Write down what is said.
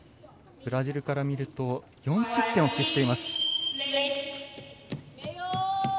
ブラジルから見ると４失点を喫しています。